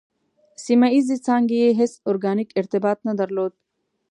سیمه ییزې څانګې یې هېڅ ارګانیک ارتباط نه درلود.